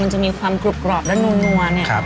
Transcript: มันมีความกรุบกรอบและน้ำชอบ